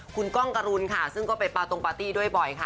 คุณก้องกรุณค่ะซึ่งก็ไปปาตรงปาร์ตี้ด้วยบ่อยค่ะ